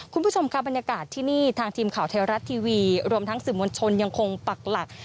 คุณผู้ชมค่ะบรรยากาศที่นี่ทางทีมข่าวไทยรัฐทีวีรวมทั้งสื่อมวลชนยังคงปักหลัก